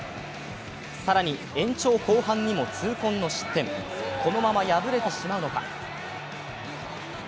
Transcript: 更に、延長後半にも痛恨の失点このまま敗れてしまうのか？